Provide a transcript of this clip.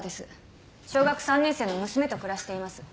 小学３年生の娘と暮らしています。